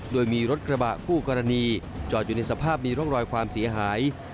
โดยมีรถกระบะคู่กรณีจอดอยู่ในสภาพมีร่องรอยความเสียหาย